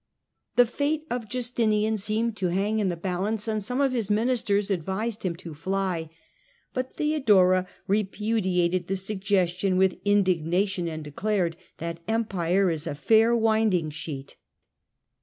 The fate of Justinian seemed to hang in the balance, and some of his ministers advised him to fly. But Theodora repudiated the suggestion with indignation, and declared that "Empire is a fair winding sheet".